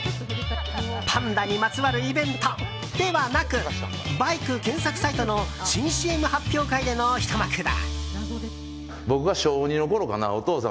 パンダにまつわるイベントではなくバイク検索サイトの新ＣＭ発表会でのひと幕だ。